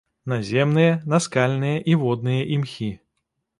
Наземныя, наскальныя і водныя імхі.